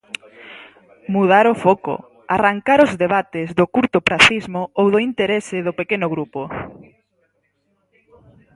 Mudar o foco, arrancar os debates do curtopracismo ou do interese do pequeno grupo.